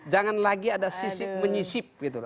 jangan lagi ada sisip menyisip